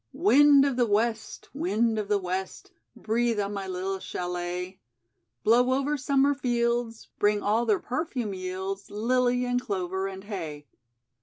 "Wind of the West, Wind of the West, Breathe on my little chalet. Blow over summer fields, Bring all their perfume yields, Lily and clover and hay.